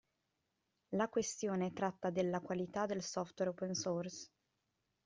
La questione tratta della qualità del software open source.